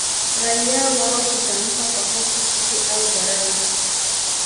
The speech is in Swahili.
Raia wao hutamka kwa hofu chuki au dharau